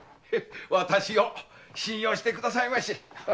私を信用してくださいまし。